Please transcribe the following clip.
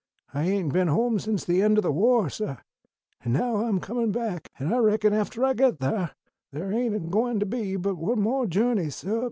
I ain't been home since the end o' the wah, suh. An' now I'm comin' back, an' I reckon after I git thar thar ain't a gwine to be but one mo' journey, suh, befo' I'm through."